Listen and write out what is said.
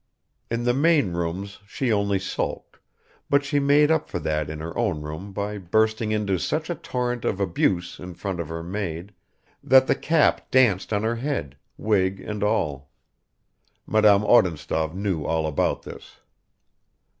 In the main rooms she only sulked, but she made up for that in her own room by bursting into such a torrent of abuse in front of her maid that the cap danced on her head, wig and all. Madame Odintsov knew all about this.